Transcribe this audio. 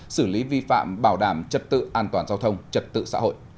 xử lý vi phạm bảo đảm trật tự an toàn giao thông trật tự xã hội